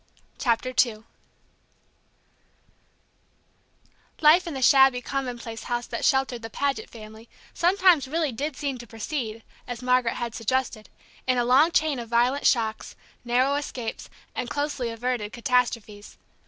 CHAPTER II Life in the shabby, commonplace house that sheltered the Paget family sometimes really did seem to proceed, as Margaret had suggested, in a long chain of violent shocks, narrow escapes, and closely averted catastrophes.